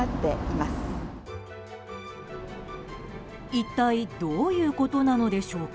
一体どういうことなのでしょうか。